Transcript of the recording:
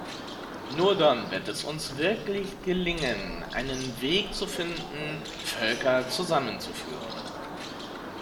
Nur dann wird es uns wirklich gelingen, einen Weg zu finden, Völker zusammenzuführen.